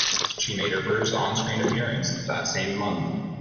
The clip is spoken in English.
She made her first on screen appearance that same month.